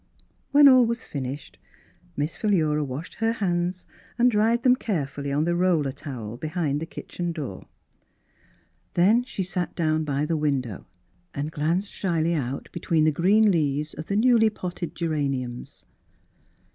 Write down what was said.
When all was finished Miss Philura washed her hands and dried them care fully on the roller towel behind the kitchen door. Then she sat down by the window and glanced shyly out between the green leaves of the newly potted geraniums.